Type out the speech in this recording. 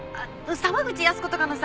沢口靖子とかのさ。